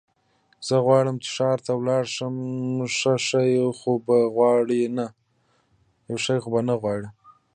زه غواړم چې ښار ته ولاړ شم، څه شی خو به غواړې نه؟